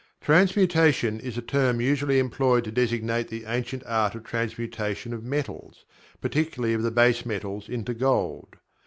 "Transmutation" is a term usually employed to designate the ancient art of the transmutation of metals particularly of the base metals into gold.